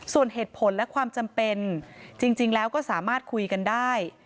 ส่วนเหตุผลและความจำเป็นจริงแล้วก็สามารถคุยกันได้